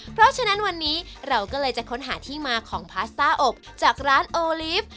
เพราะฉะนั้นวันนี้เราก็เลยจะค้นหาที่มาของพาสต้าอบจากร้านโอลิฟต์